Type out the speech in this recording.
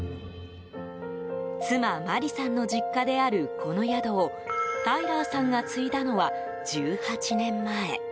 妻・磨利さんの実家であるこの宿をタイラーさんが継いだのは１８年前。